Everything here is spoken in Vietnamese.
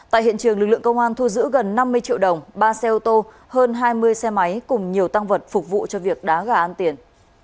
tại hiện trường lực lượng công an thu giữ gần năm mươi triệu đồng ba xe ô tô hơn hai mươi xe máy cùng nhiều tăng vật phục vụ cho việc đá gà ăn tiền